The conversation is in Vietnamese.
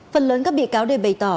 phần lớn các bị cáo đều bày tỏ